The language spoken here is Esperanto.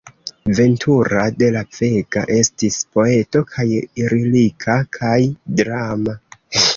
Ventura de la Vega estis poeto kaj lirika kaj drama.